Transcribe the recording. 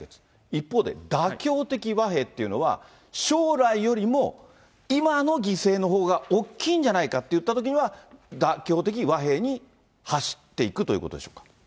一方で妥協的和平っていうのは、将来よりも今の犠牲のほうが大きいんじゃないかっていったときには、妥協的和平に走っていくということでしょうか。